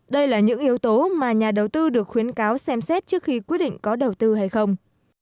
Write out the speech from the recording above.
đây là những yếu tố mà nhà đầu tư được khuyến cáo xem xét trước khi quyết định có đầu tư hay không